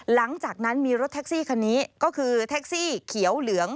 หลังจากนั้นมีรถแท็กซี่คันนี้ก็คือแท็กซี่เขียวเหลือง